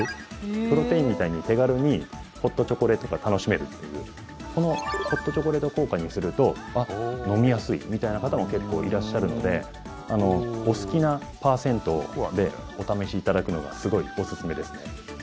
プロテインみたいに手軽にホットチョコレートが楽しめるというホットチョコレート効果にすると飲みやすいみたいな方も結構いらっしゃるのでお好きなパーセントでお試しいただくのがすごいおすすめですね。